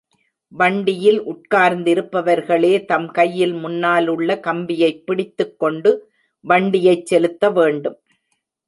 வண்டியில் உட்கார்ந்திருப்பவர்களே தம் கையில் முன்னாலுள்ள கம்பியைப் பிடித்துக் கொண்டு வண்டியைச் செலுத்த வேண்டும்.